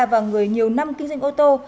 và người nhiều năm kinh doanh ô tô